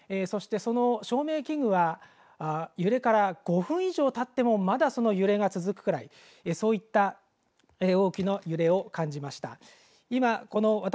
そしてその照明器具は揺れから５分以上たってもまだ、その揺れが続くくらいそういった大きな揺れを感じました。